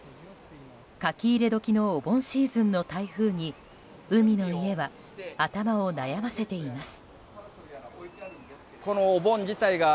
書き入れ時のお盆シーズンの台風に海の家は、頭を悩ませています。